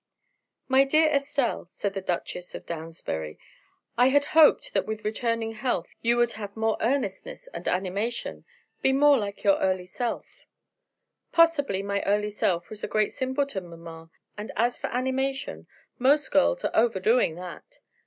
"My dear Estelle," said the Duchess of Downsbury, "I had hoped that with returning health you would have more earnestness and animation be more like your early self." "Possibly my early self was a great simpleton, mamma, and as for animation, most girls are overdoing that.